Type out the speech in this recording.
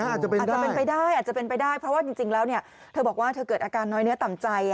อาจจะเป็นไปได้เพราะว่าจริงแล้วเธอเกิดอาการหน่อยเนื้อต่ำใจ